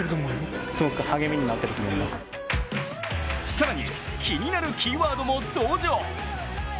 更に気になるキーワードも登場。